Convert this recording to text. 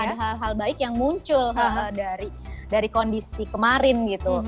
ada hal hal baik yang muncul dari kondisi kemarin gitu